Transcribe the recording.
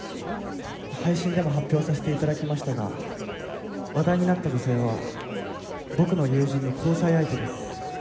配信でも発表させていただきましたが話題になった女性は僕の友人の交際相手です。